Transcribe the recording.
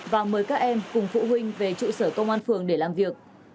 và mời các em cùng phụ huynh về trụ sở công an phường để làm việc